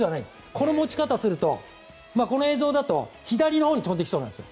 この持ち方をするとこの映像だと左のほうに飛んでいきそうなんですよ。